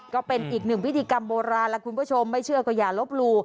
ก็เป็นอีกหนึ่งพิธีกรรมโบราณแล้วคุณผู้ชมไม่เชื่อก็อย่าลบหลู่